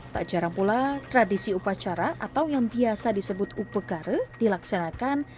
tak jarang pula tradisi upacara atau yang biasa disebut upegare dilaksanakan